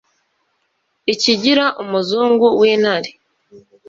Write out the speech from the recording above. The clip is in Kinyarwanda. ikigira umugunzu w’intare